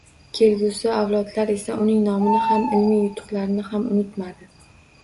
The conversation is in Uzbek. Kelgusi avlodlar esa uning nomini ham, ilmiy yutuqlarini ham unutmadi